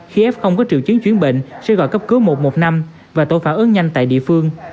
khi f có triều chứng chuyến bệnh sẽ gọi cấp cứu một một năm và tổ phản ứng nhanh tại địa phương